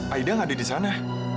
aida tidak ada di sana